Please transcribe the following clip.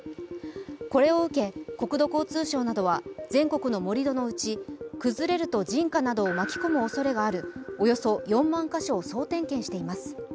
これを受け国土交通省などは全国の盛り土のうち崩れると人家などを巻き込むおそれがあるおよそ４万カ所を総点検しています。